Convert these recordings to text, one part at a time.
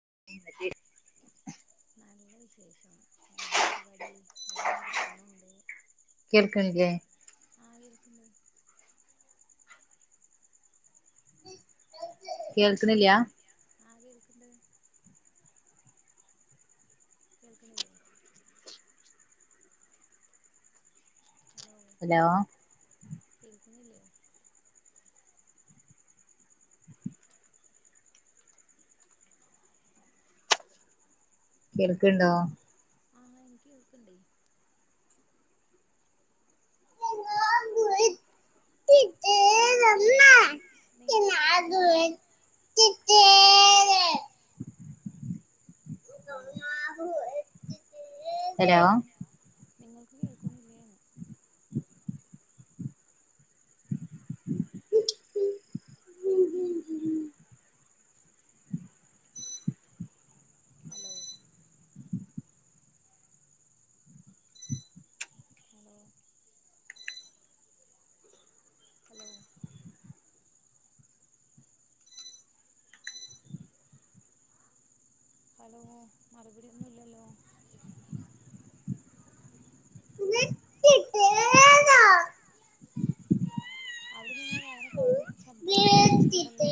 അ നല്ല വിശേഷം. എന്ത് പരിപാടി ഇവിടെങ്ങെ ഇരിക്കുന്നുണ്ട്. കേൾക്കണില്ലേ ആഹ് കേൾക്ക. കേൾക്കണില്ലിയാ. ആഹ് കേൾക്കണ്ട്. കേൾക്കുന്നില്ലേ? ഹലോ? കുണല്ലേ കേൾക്കണ്ടോ? ആഹ് എനിക്ക് കേൾക്കണ്ടേ. [unintelligible] [unintelligible] നിങ്ങ നിങ്ങ നിങ്ങക്ക് കേൾക്കണില്ല. Hello hello? നിങ്ങൾക്ക് കേൾക്കുന്നില്ലന്ന് ഹലോ ഹലോ ഹലോ ഹലോ മറുപടിയൊന്നും ഇല്ലല്ലോ? എന്നട്ടട്ടേന്നാ [unintelligible] അവിടെ നിന്ന് വേറെ സൗണ്ട് [unintelligible] ശബ്ദങ്ങളൊക്കെ കേൾക്കണ്ടല്ലോ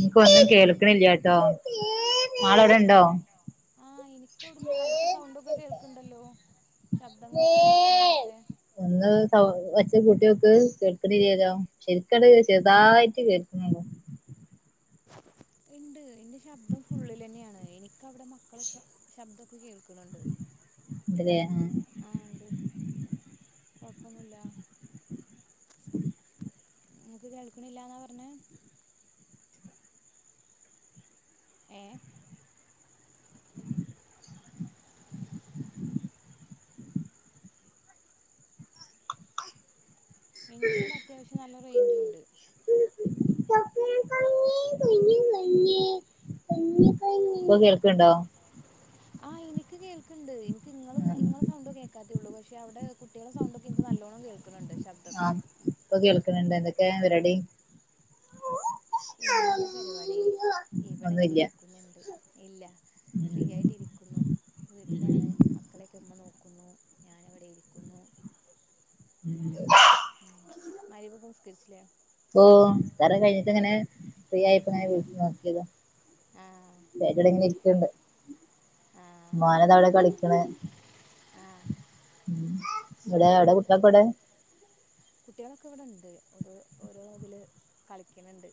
നിനക്ക് ഒന്നും കേൾക്കണില്ലട്ടോ ആളോവിടെ ഇണ്ടോ. നിനിക്കവിടന്ന് അവിടുത്തെ സൗണ്ടൊക്കെ കേൾക്കണ്ടല്ലോ. ശബ്ദങ്ങളൊക്കെ കേൾക്കണ്ട് അവിടുത്തെ ഒന്ന് സൗ ഒച്ച കൂട്ടിയൊക്ക്. എല്ലോ [unintelligible] ചെറതായിട്ട് കേൾക്കുന്നുണ്ടോ? ഉണ്ട് എന്റെ ശബ്ദം ഫുള്ളിലന്നെയാണ്. എനിക്കവിടെ മക്കള ശബ്ദമൊക്കെ കേൾക്കും. അതെ. കുഴപ്പൊന്നുല്ല. ങ്ങക്ക് കേൾക്കണില്ലന്നാ പറഞ്ഞേ. ഏഹ് എനിക്കിവിടെ അത്യാവശ്യം നല്ല റേയ്ഞ്ചു ഉണ്ട്. ഞ്ഞ കുഞ്ഞി പഞ്ഞി ഇപ്പോ കേൾക്കണ്ടോ? ആഹ് എനിക്ക് കേൾക്കണ്ട്. ആ എനിക്ക് കേൾക്ണ് ണ്ട് ഇങ്ങ ഇങ്ങളെ സൗണ്ട കേൾക്കാത്തേള്ളൂ പക്ഷെ അവിടെ കുട്ടികളെ സൗണ്ട് ക്ക് നല്ലോണം കേൾക്കുന്നുണ്ട്. ശബ്ദമൊക്കെ ആഹ് ഇപ്പൊ കേൾക്കണണ്ട് എന്തൊക്കെ പരിപാടി? എന്ത് പരിപാടി ഇവിടെങ്ങനെ ഒന്നുല്ല ഇരിക്കുന്നുണ്ട്. ഇല്ല ഫ്രീ ഉം ആയിട്ട് ഇരിക്കുന്നു. ഉം വീട്ടിലാണ് മക്കളെക്കെ ഇമ്മ നോക്കും. ക്കുന്നു ഞാനിവിടെ ഇരിക്കുന്നു. ഉം [unintelligible] [unintelligible] ഓ നിസ്കാരം കഴിഞ്ഞിട്ട് ഇങ്ങനെ ഫ്രീ ആയിപ്പോങ്ങനെ നോക്കിയത് ആ ടെ ഇങ്ങെ ഇരിക്കണ്ട് ആ ഉ മോനത അവിടെ കളിക്കണ് ആ ഉ ഇവിടെ എവിടെ കുട്ടക്കെ ഇവിടെ കുട്ടികളൊക്കെ ഇവിടെണ്ട് ഓര ഓരോ ഇതില് കളിക്കണണ്ട്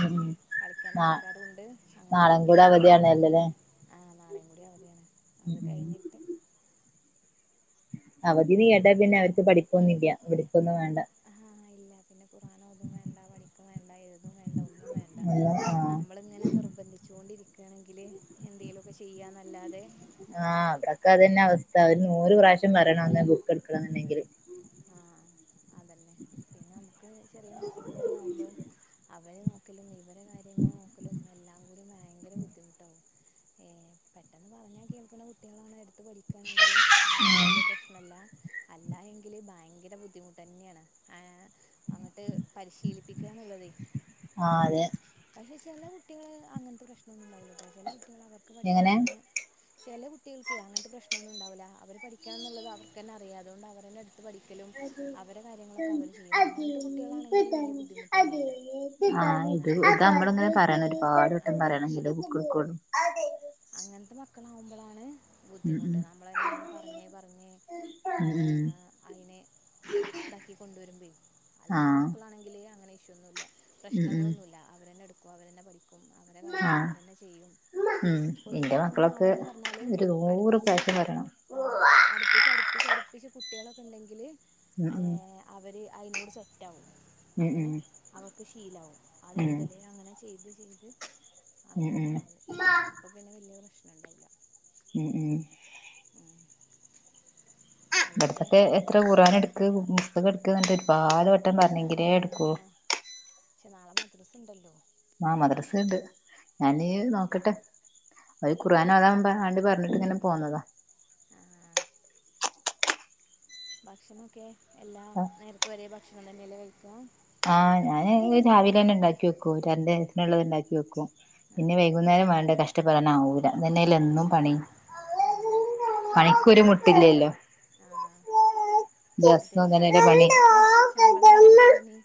ഉം ഉം കളിക്കൻ നാ ആൾക്കാരുും ഉണ്ട് അങ്ങനെ നാളെയും കൂടെ കളിക്കുന്നുണ്ട് അവധിയാണല്ലോല്ലേ ആ നാളെയും കടി അവധയാണ് ഉം ഉ അവധി നീ കേട്ടാ പിന്നെ അവർക്ക് പഠിപ്പന്നില്ല ഇവിടു [unintelligible] വണ്ട പഠിക്കും വേണ്ട എഴതും വേണ്ട ഒന്നും വേണ്ട ഒന്നും നമ്മള ആഹ് ഇങ്ങനെ നിർബന്ധിച്ചൊണ്ടിരിക്ക ഒക്ക ആണെങ്കിൽ ആഹ അവിടക്കെ ആ അതന്നെ അവസ്ഥ ഒരു നൂറ് പ്രാവശ്യം മരണംമന്ന് ബുക്ക് എടുക്കണ എന്നുണ്ടെങ്കിൽ ആഹ് അതന്നെ പിന്നെ നമുക്ക് ചെറിയ ഇവടെ കാര്യങ്ങൾ നോക്കലും എല്ല കൂടി ഭയങ്കര ബുദ്ധിമുട്ടാാവും ഏ പെട്ടെന്ന് പറഞ്ഞാ കേൾക്കുന്ന കുട്ടികള പഠിക്കണെങ്കിൽ വലിയ പ്രശ്നല്ല അല്ല ഭയങ്കര ബുദ്ധിമുട്ട് തന്നെയാണ് ആ അങ്ങോട്ട് പരിശീലിപ്പിക്കുകന്നുള്ളത്േ ആ അതെ പക്ഷെ ചില കുട്ടികള് അങ്ങനത്തെ പ്രശ്നൊന്നും ഉണ്ടാവില്ല ചെ കുട്ടികൾ അവർക്ക് എങ്ങനെ പഠിക്കണം ചില കുട്ടികൾക്ക്േ അങ്ങനത്തെ പ്രശ്നംന്നും ഉണ്ടാവില്ല അവര് പഠിക്കണംന്ന എന്നുള്ളത് അവർക്ക്ന്നെ അറിയാം അതുകൊണ്ട് അവന്നെടു പഠിക്കലും അവരെ കാര്യങ്ങളൊക്കെ അവര് ചെയ്യും ആഹ് അങ്ങനത്തെ കുട്ടികളാണെങ്കിലും വലിയ ബുദ്ധിമുട്ടൊന്നുമല്ല അങ്ങനെ നമ്മള ഇങ്ങനെ പറയണം ഒരുപാട് വട്ടം പോവും പറയണെങ്കിൽ ബുക്കക്കളും അങ്ങനത്തെ മക്കളാാവുമ്പോളാണ് ഉം ഉം ബുദ്ധിമുട്ട് നമ്മളെ എങ്ങനെ പറഞ്ഞേ പറഞ്ഞേ ഉം ഉം അയിെ ഇതാക്കി കൊണ്ടുവ വരുമ്പയി അല്ലാത്ത ആഹ് മക്കളാണെങ്കില്ിൽ അങ്ങനെ ന്ന ഉം ഉം പ്രശ്നങ്ങളൊന്നുമില്ല അവന്നെ എടുക്കോ അവരെന്നെ പഠിക്കും അവരെ കാര്യങ്ങ അവര്ന്നെ ചെയ്യും പൊതുവെ എൻ്റെ അങ്ങനെ മക്കളൊക്കെ ആവുക ഒരു നൂറ് പ്രാവശ്യം വരണം ആഹ് അടുപ്പിച്ചടുപ്പിച്ചടുപ്പി പക്ഷെ കുട്ടികളൊക്കെ ഉണ്ടെങ്കിൽ ഉം ഉം അവർ അതിനോട് സെറ്റ ആകും ഉം അങ്ങനെ ഉം അവർക്ക് ശീലവും അതേ ഉം മുതലേ അങ്ങനെ ചെയ്ത് ചെയ്ത് ഉം ഉം വ പ്രശ്നം ഉണ്ടാവില്ല [unintelligible] ഉം ഉം ഉം. അല്ലാതെ ഇവിടത്തൊക്കെ ആ, എത്ര കുറാന എടുക്ക് പ എടുക്ക എന്നിട്ട് ഒരുപാട് വട്ടം ആ, പറഞ്ഞെങ്കിലേ എടുക്കുവോ പക്ഷെ നാളെ മദ്രസ ഉണ്ടല്ലോ ആഹ മദ്രസുണ്ട് ഞാന ആ, നോക്കട്ടെ ഒരു ഖുാൻാതാകുമാണ്ട പറഞ്ഞിട്ട് ഇങ്ങനെ പോകന്നതാ ആ, ഭക്ഷണൊക്കെ എല്ലാ നേരത്ത വരെ ഭക്ഷണം തന്നെയല്ല കഴിക്കുക ആഹ് ഞാാന് ചാവിൽ തന്നെ ഉണ്ടാക്കി വെക്കുംന്റെത്തിനുള്ളത് ഉണ്ടാക്കി വെക്കും ആ, പിന്നെ വൈകുന്നേരം വേണ്ട കഷ്ടപ്പെടാന ആാവൂില്ല എന്നന്നെല എന്നും പണി മണിക്കൂര് അതന്നെ മുട്ടില്ലല്ലോ ആ മറ്റേ സ പണി ശമ്പളമില്ലാത്ത ശമ്പളമില്ലാത്ത പണി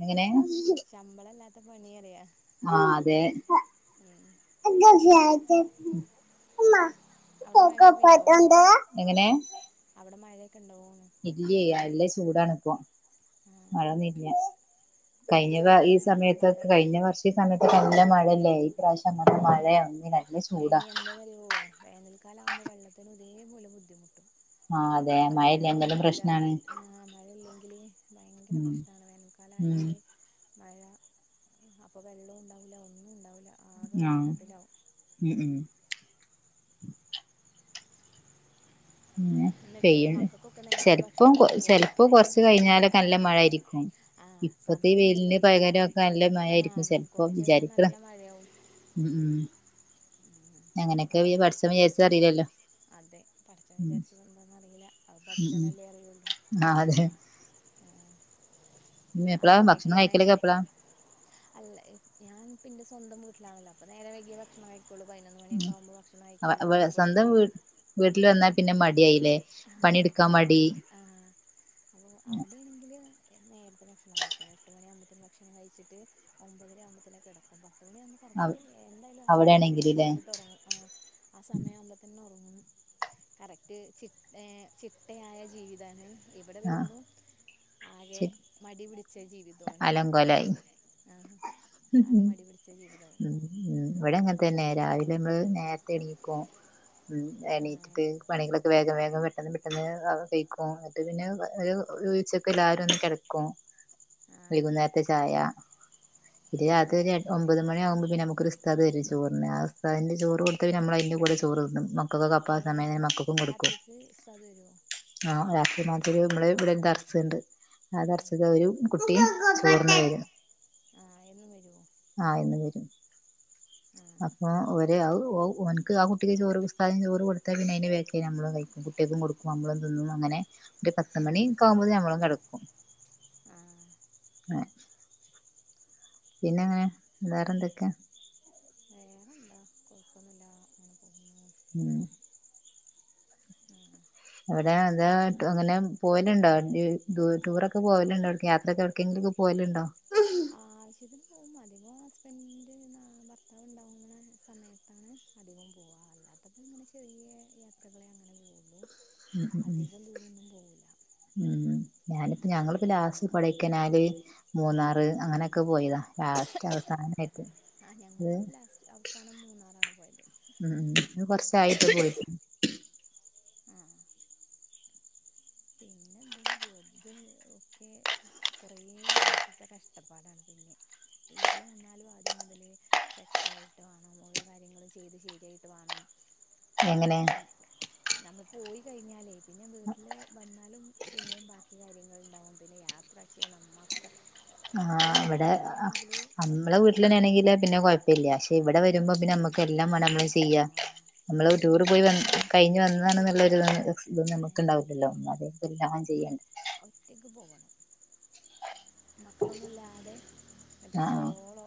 അങ്ങനെ ശമ്പളംല്ലാത്ത പണിയറിയാ ഉം അയി അവിടെ ഉ മഴയൊക്കെ പെയ്തോ പ്പറ്റ എന്ത എങ്ങന അവിടെ മഴയൊക്കെ ഉണ്ടോ ഇല്ല എല്ല ചൂടണ ഇപ്പൊ ആ മഴൊന്നുംല്ല കഴിഞ്ഞ ഈ മഴക്കാലമാണ് സമയത്തൊെ മഴയല്ല കഴിഞ്ഞ വർഷ ഈ സമയത്തൊക്കെ നല്ല മഴല്ലായി ആഹ ശ ഇനി എന്താന്ന്റിയുവോ വേനൽക്കാല ആവുമ്പോ വെള്ളത്തിന അോ ബുദ്ധിു് [unintelligible] വെള്ളം മഴയില്ലെങ്കിലും ണ്ടാവൂല പ്രശ്നാണ് ആ മഴ ഇല്ലെങ്കില് ഭയങ്കര ഉം പ്രശ്നാണ് വേനൽക്കാല ആയാല്. [inaudible] മഴ അപ്പോൾ വെള്ളവും ഉണ്ടാവൂല ഒന്നും ണ്ടാവൂല ആഹാ മ് മ് പിന്നെ എന്നിട്ട് പെയ്യ മക്കൾക്കൊക്കെ നേരത്തെ ചെലപ്പോ ഭക്ഷണം കൊ കൊടുക്കുവോ ചെലപ്പോ കൊറച്ച് കഴിഞ്ഞാലൊക്കെ നല്ല മഴായിരിക്കും. ആഹ സമയം ഉണ്ടല്ലോ ചെലപ്പം നല്ല ആഹ മഴയായിരിക്കും ചെലപ്പോ കൊറച്ച് കഴിഞ്ഞാൽ വിചാരിക്കണ് നല്ല മഴയാവും. ഉം ഉം ഉം, എങ്ങനെക്കെ പറയാം പടച്ചോൻ വിചാച്ച അറിയില്ലല്ലോ... അതെ പടച്ചോൻ ഉം വിചാരിച്ചത് എന്താന്ന് അറിയില്ല അത് ഉം ഉം പടച്ചോനല്ലെ അറിയുള്ളു. ! ആ [inaudible] പിന്നെ എപ്പളാ ഭക്ഷണം ആർക്കൊക്കെയാണ് കഴിക്കലൊക്കെ എപ്പളാ അല്ല ഹ് ഞാൻ പ്പോ ന്റെ സ്വന്തം [unintelligible] അപ്പോ നേരെ വൈകിയെ ഭക്ഷണം കഴികുള്ളു പതിനൊന്ന് മണികൊവുമ്പോ ഭക്ഷണം കഴിക്കുള്ളു ചെലപ്പോ ഒരു സ്വന്തം മണി വീ വീട്ടിൽ വന്നാൽ പിന്നെ മടിയായി. ലെ ആ പണിടുക്കാ മടി ആ അപ്പോൾ അവിടെയാണെങ്കിൽ നേരത്തെ ഭക്ഷണം കഴിക്കും എട്ട് മണി ആകുമ്പത്തേന് ഭക്ഷണം കഴിച്ചിട്ട് ഒമ്പതര ആകുമ്പത്തനെ കിടക്കുബ [unintelligible] കറക്റ്റ് എന്തായാലും ആ ടൈമില് അവിടെയാണെങ്കിൽല്ലേ സമയത്ത് ഒറങ്ങും ആ ആ സമയയാവുമ്പോതന്നെ [unintelligible] കറക്റ്റ് ചി എ ചിട്ടയായ ജീവിതം ആണ്? ഇവിടെ ആ വരുമ്പോ ആകെ ശരി മടി പിടിച്ച ജീവിതം. അലങ്കോലായി. മ് ഹ് ആകെ മടി പിടിച്ച ജീവിതമാണ് മ് ഇവിടെ അങ്ങനെ തന്നെ രാവിലെ മ്മള് നേരത്തെ എണീക്കോ മ് ആ എണീറ്റ്ട്ട് പണികൾ വേഗം വേഗം പെട്ടെന്ന് പെട്ടെന്ന് കഴിക്കും എന്നട്ട് പിന്നെ ഒരു ഉച്ചക്ക് എല്ലാരും ഒന്ന് കെടക്കും. ആഹ് വൈകുന്നേര്ത്തെ ചായ ഇത് ഉം രാത്രി എ ഒമ്പത് മണിയാവകുമ്പോ പിന്നെ നമുക്കൊരു ഉസ്താദ് വരും ചോറിന് ആ ഉസ്താദന്റെ ചോറ് കൊട്ത്ത് പിന്നെ മ്മള [unintelligible] ചോറ് തിന്നും മക്കകൊക്കെ പ്പ ഏഹ് തന്നെ മക്കൾക്കും കൊടുക്കും രാത്രിക്ക് ഉസ്താദ് വരോ? ആ രാത്രി മ്മള് ഇവിടെ ദർസ്ണ്ട് ആ ആഹ് ദർസക് ഒരു കുട്ടിയും ചോറിന്ന് വേരോ ആഹ് ആഹ് എന്നും വരോ? ആഹ ഇന്ന് വരും. ആഹ് അപ്പൊ ഒര് ആവും ഔ ഓന്ക്ക് ആ കുട്ടിക്ക് ചോറ് ഉസ്താദിന് ചോറ് കൊത്താ പിന്നെ അയിന്റെ ബേകിൽ അമ്മള് കഴിക്കും കുട്ട്യേൾക്കും ക്കും കൊടുക്കും അമ്മളും തിന്നും അങ്ങനെ. അങ്ങനെ ഒരു പത്ത് മണി ആഹ് ക്കെ ആവുമ്പോതിനെ ഞമ്മളും കെടക്കും. ആഹ് പിന്നെങ്ങനെ വേറെന്തൊകെ.? വേറെന്താ കുഴപ്പൊന്നുല്ല അങ്ങനെ പോകുന്നു. ഉം ആഹ് എവിടെ? [unintelligible] അങ്ങനെ പോവലുണ്ടോ ടൂറൊക്കെ പോവലുണ്ടോ യാത്രൊക്കെ എടക്കെങ്കിലൊക്കെ പോവല് ണ്ടോ.? ഓ അധികം ഹസ്ബന്റ് ന്ന ഭർത്താവ് ണ്ടാവുന്ന സമയത്ത്. [unintelligible] അധികം പോവ അല്ലാത്തപ്പോ ഇങ്ങനെ ചെറിയ യാത്രകളെ അങ്ങനെ പോ ഉ ഉ ഉം പോവൂല. ഉം [unintelligible] ഞാനിപ്പ ഞങ്ങളിപ്പൊ ലാസ്റ്റ് കൊടൈക്കനാല് മൂന്നാറ് ആഹ് അങ്ങനോക്കെ പോയതാ ലാസ്റ്റ് അവസാനയിട്ട്. ഞങ്ങളും ലാസ്റ്റ് അവസാനം മൂന്നാറാണ്. പോയത്. മ് മ് കൊറച്ചായിട്ട് പോയിട്ട്. ആഹ പിന്നെന്താ.? ത് ഒക്കെ കൊറേ ദിവസത്തെ കഷ്ടപ്പാടാണ് പിന്നെ. വന്നാലും ആദ്യം മുതലെ സെറ്റായിട്ട് വാണം ഓരോ കാര്യങ്ങളും ചെയ്ത് ശരിയായിട്ട് വാണം എങ്ങനെ.? നമ്മ പോയി കഴിഞ്ഞാലേ പിന്നെ മ വീട്ടിൽ വന്നാലും പിന്നേം ബാക്കി കാര്യങ്ങളുണ്ടാവും പിന്നെ യാത്രയ്ക് [unintelligible] ആ അവിടെ അമ്മളെ ഒറ്റയ്ക്ക് വീട്ടിലെന്നെ ആണെങ്കില് പോകണം പിന്നെ കുയപ്പല്ല്യ പക്ഷെ ആ ഇവിടെ വരുമ്പോ പിന്നെ മ്മക്ക് എല്ലാം വേണം നമ്മള് ആ ചെയ്യാ. നമ്മള് അല്ലെങ്കിൽ ടൂർ പിന്നെ പോയി വ ഒറ്റ കഴിഞ്ഞ് വന്നതാണ് ഒറ്റയ്ക്ക് ഉള്ളൊരു പോകണം ഒരു ഇത് നമുക്കുയുണ്ടാവില്ലല്ലോ ഇല്ല അതേ പിടിച്ച അവൻ. [unintelligible] മക്കളൊന്നുല്ലാതെ മറ്റേ ആഹ് സോളോ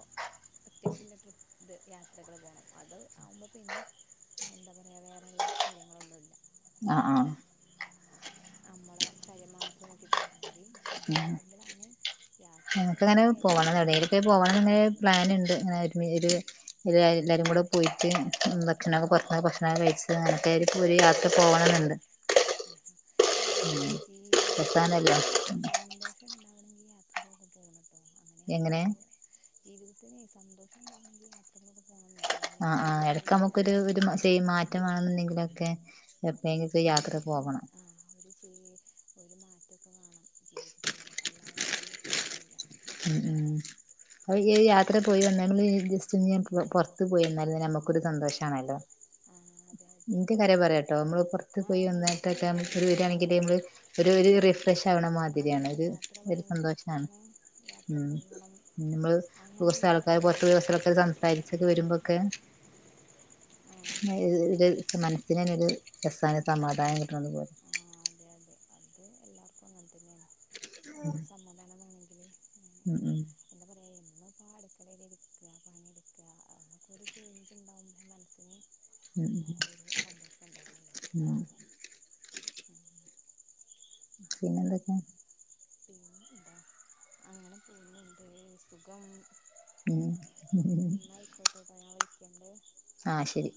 ഒറ്റക്ക്ള്ള ട്രിപ്പ് ഇത് യാത്രകൾ പോകണം അത് ആവുമ്പോൾ പിന്നെ എന്താ പറയുക വേറെയുള്ള കാര്യങ്ങളൊന്നുമില്ല ആഹ് ആഹ് നമ്മളെ കാര്യം മാത്രം നോക്കി പോയാൽ മതി പക്ഷെ അങ്ങനെ ആവുമ്പോഴാണ് നമക്ക് അങ്ങനെ പോകണം എടരൊക്കെ പോകണംങ്ങനെ പ്ലാൻ ഉണ്ട് അങ്ങനെ ഒരു എല്ലാവരും കൂടെ പോയിട്ട് ഭക്ഷണൊക്കെ പുറത്ത ഭക്ഷണ കഴിച്ചത് അങ്ങനത്തെ ഇപ്പോ ഒരു യാത്ര പോകണം അല്ല ജീവിതത്തില് രസാണല്ലോ സന്തോഷം ഉണ്ടാവണെങ്കിൽ യാത്രകളൊക്കെ പോണം എങ്ങനെ അങ്ങനെയാല് ജീവിതത്തിന് സന്തോഷം ഉണ്ടാവണെങ്കിൽ യാത്രകളൊക്കെ പോകണം എന്നാലേ ആഹ് ആഹ് എടക്ക് ശരിയാവുള്ളൂ നമുക്കൊരു അല്ലാതെ ആ മാറ്റംമാണെന്നുണ്ടെങ്കിലൊക്കെ ഒര് ഉം ആഹ് ഒര് ഫീ - - ഒരു മാറ്റൊക്കെ വാണം ജീവിതത്തിന് അല്ലായെങ്കി ഉം ഉം അപ്പൊ ഈ യാത്ര പോയി വന്ന നമ്മൾ ജസ്റ്റ് പുറത്ത് പോയിന്നാല നമുക്കൊരു സന്തോഷമാണല്ലോ ആ അതെ അതെ ഇന്റെ കാര്യം പുറത്ത് പറയാട്ടോ നമ്മള് പുറത്ത് ആ പോയി എനിക്കും അങ്ങനെ നന്നായിട്ടൊക്കെ തന്നെയാണ് യാ വരുണികല് നമ്മള് ഒരു ഒരു റിഫ് വണ ആ മാതിരിയാണ് യാത്ര ഭയങ്കര സന്തോഷമാണ് ഇഷ്ടമാണ് യാത്ര ഉം പോകണം നമ്മള് അങ്ങനെയുള്ള ആൾക്കാര് പുറത്തു ഒരാളാണ് പൊയി [unintelligible] സംസാരിച്ചൊക്കെ വരുമ്പോക്കെ ആ മനസ്സിന് തന്നെ ഒരു രസാണ് സമാധാനം കിട്ടണതു പോലെ ആ അതെ അതെ അത് എല്ലാവർക്കും അങ്ങനെ സമാധാനം വേണെങ്കി ഉം ഉം നമ്മളിപ്പോ അടുക്കളേലിരിക്ക പണിയെടുക്ക അതൊക്കെ ഒരു ചേഞ്ച് ഉണ്ടാവുമ്പോ മനസ്സിന് ഉം ആ, ഒരു സന്തോഷം ഉണ്ടാവുള്ളൂ ആഹ് ഉം. പിന്നെ എന്തൊക്കെ പിന്നെന്താ അങ്ങനെ പോകണ്ടേ സുഖം ഉം ഉം എന്നായിക്കോട്ടെട്ടോ ഞാൻ വിളിക്കണ്ട് ആഹ് ശരി